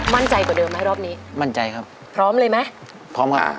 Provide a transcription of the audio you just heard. มั่นใจกว่าเดิมไหมรอบนี้มั่นใจครับพร้อมเลยไหมพร้อมค่ะอ่า